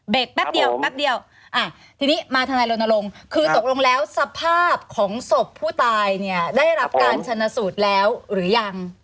เบคแป๊บเดียวทีนี้มาทันายลนโรงคือตกลงแล้วสภาพของศพผู้ตายได้รับการชนสูตรแล้วหรือยัง